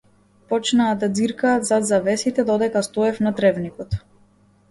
Почнаа да ѕиркаат зад завесите додека стоев на тревникот.